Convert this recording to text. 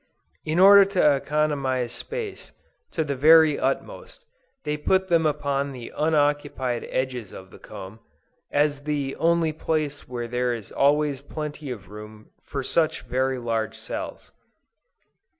In order to economize space, to the very utmost, they put them upon the unoccupied edges of the comb, as the only place where there is always plenty of room for such very large cells.